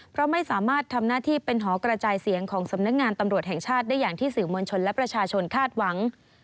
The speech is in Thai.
เพราะไม่สามารถทำหน้าที่เป็นหอกระจายเสียงของสำนักงานตำรวจแห่งชาติได้อย่างที่สื่อมวลชนและประชาชนคาดหวัง